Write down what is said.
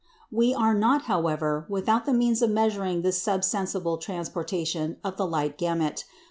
We are not, however, without the means of measuring this sub sensible transportation of the light gamut.